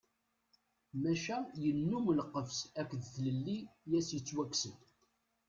Maca yennum lqefs akked tlelli i as-yettwakksen.